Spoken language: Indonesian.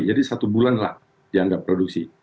jadi satu bulan lah dianggap produksi